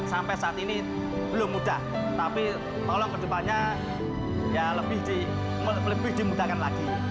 sehingga saat ini belum mudah tapi tolong ke depannya lebih dimudahkan lagi